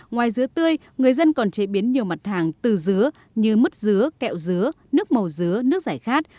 ngoài dứa tươi người dân còn chế biến nhiều mặt hàng từ dứa như mứt dứa kẹo dứa nước màu dứa nước giải khát